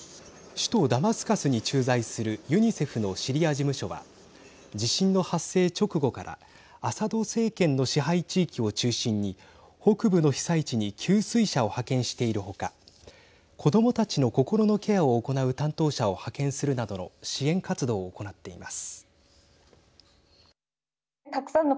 首都ダマスカスに駐在するユニセフのシリア事務所は地震の発生直後からアサド政権の支配地域を中心に北部の被災地に給水車を派遣している他子どもたちの心のケアを行う担当者を派遣するなどの支援活動を行っています。